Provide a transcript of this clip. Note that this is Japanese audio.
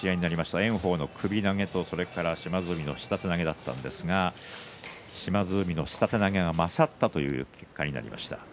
炎鵬の首投げと島津海の下手投げだったんですが島津海の下手投げが勝ったという結果になりました。